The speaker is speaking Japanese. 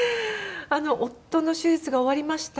夫の手術が終わりました。